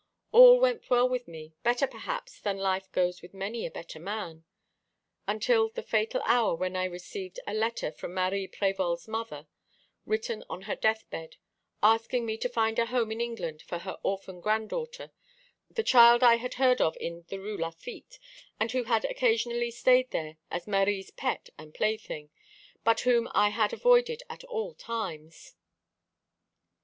All went well with me better, perhaps, than life goes with many a better man until the fatal hour when I received a letter from Marie Prévol's mother, written on her death bed, asking me to find a home in England for her orphan granddaughter, the child I had heard of in the Rue Lafitte, and who had occasionally stayed there as Marie's pet and plaything, but whom I had avoided at all times.